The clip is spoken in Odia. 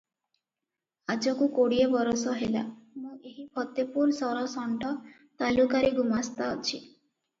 ଆଜକୁ କୋଡ଼ିଏ ବରଷ ହେଲା ମୁଁ ଏହି ଫତେପୁର ସରଷଣ୍ଢ ତାଲୁକାରେ ଗୁମାସ୍ତା ଅଛି ।